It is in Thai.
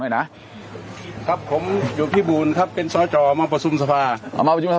หน่อยนะครับผมอยู่พี่บูนครับเป็นสอจอมาประสุนสภามาประสุนสภา